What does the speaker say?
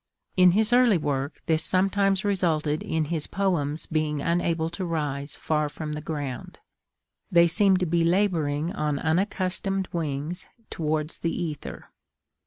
In his early work, this sometimes resulted in his poems being unable to rise far from the ground. They seemed to be labouring on unaccustomed wings towards the ether.